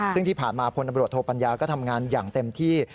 ซึ่งที่ผ่านมาพลตำรวจโทปัญญาก็ทำงานอย่างเต็มที่